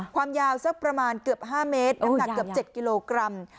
ความยาวสักประมาณเกือบ๕เมตรน้ำหนักเกือบ๗กิโลกรัม